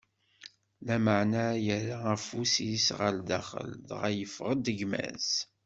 Lameɛna yerra afus-is ɣer daxel, dɣa yeffeɣ-d gma-s.